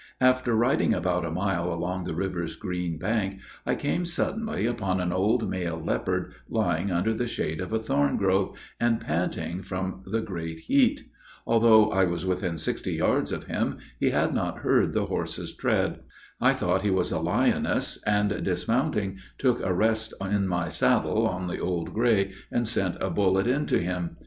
After riding about a mile along the river's green bank, I came suddenly upon an old male leopard, lying under the shade of a thorn grove, and panting from the great heat. Although I was within sixty yards of him, he had not heard the horse's tread. I thought he was a lioness, and, dismounting, took a rest in my saddle on the Old Gray, and sent a bullet into him.